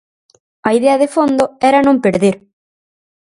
A idea de fondo era non perder.